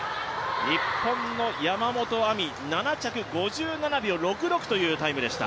日本の山本亜美は７着５７秒６６というタイムでした。